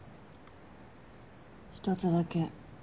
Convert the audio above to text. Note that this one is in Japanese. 一つだけ。